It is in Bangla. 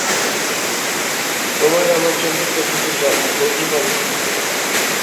তোমার আমার জন্য প্রকৃতির গতি বন্ধ থাকিবে না।